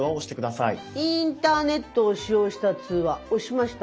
「インターネットを使用した通話」押しました。